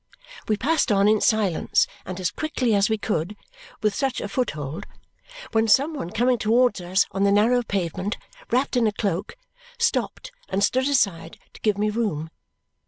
We passed on in silence and as quickly as we could with such a foot hold, when some one coming towards us on the narrow pavement, wrapped in a cloak, stopped and stood aside to give me room.